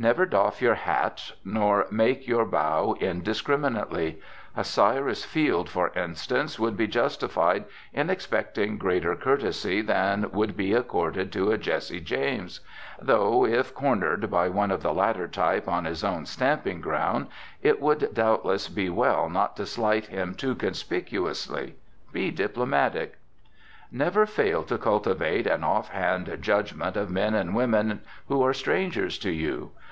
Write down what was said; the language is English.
Never doff your hat nor make your bow indiscriminately. A Cyrus Field, for instance, would be justified in expecting greater courtesy than would be accorded to a Jesse James; though, if cornered by one of the latter type on his own stamping ground, it would doubtless be well not to slight him too conspicuously. Be diplomatic. Never fail to cultivate an off hand judgment of men and women who are strangers to you.